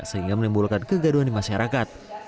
sehingga menimbulkan kegaduhan di masyarakat